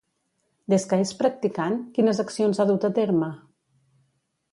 Des que és practicant, quines accions ha dut a terme?